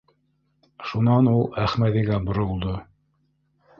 Шунан ул Әхмәҙигә боролдо: